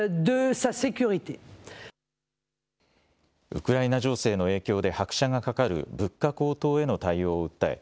ウクライナ情勢の影響で拍車がかかる物価高騰への対応を訴え